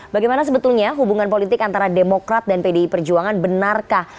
bagaimana sebetulnya hubungan politik antara demokrat dan pdi perjuangan benarkah